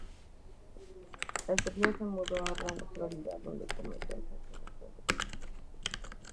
El trío se mudó a Orlando, Florida, donde comenzó a hacerse bastante conocido.